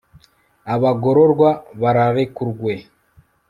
abagororwa bararekuwe